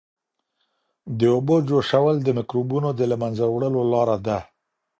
د اوبو جوشول د مکروبونو د له منځه وړلو لاره ده.